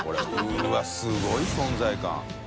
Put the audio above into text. うわすごい存在感。